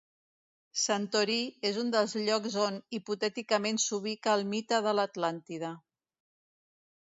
Santorí és un dels llocs on, hipotèticament s'ubica el mite de l'Atlàntida.